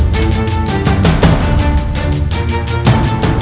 dan sempurnakanlah kekuatanku